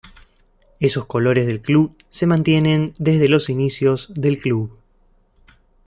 Esos colores del club se mantienen desde los inicios del club.